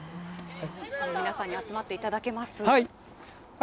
皆さんに集まっていただけます？